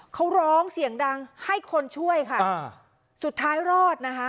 เขาร้องเสียงดังให้คนช่วยค่ะอ่าสุดท้ายรอดนะคะ